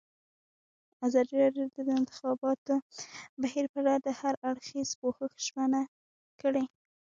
ازادي راډیو د د انتخاباتو بهیر په اړه د هر اړخیز پوښښ ژمنه کړې.